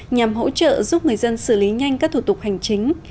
nhằm hỗ trợ giúp người dân xử lý nhanh các thủ tục hành chính